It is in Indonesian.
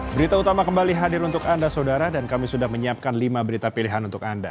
berita utama kembali hadir untuk anda saudara dan kami sudah menyiapkan lima berita pilihan untuk anda